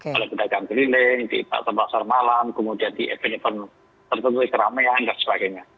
oleh pedagang keliling di pasar pasar malam kemudian di event event tertentu keramaian dan sebagainya